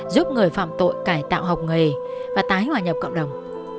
giúp người phạm tội cải tạo học nghề và tái hòa nhập cộng đồng